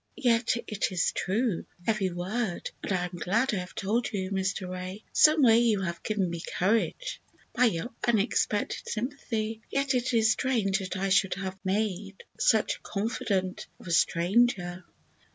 "Yet, it is true, every word, and I am glad I have told you, Mr. Ray! Some way you have given me courage by your unexpected sympathy. Yet it is strange that I should have made such a confidant of a stranger."